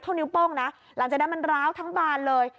นิ้วโป้งนะหลังจากนั้นมันร้าวทั้งบานเลย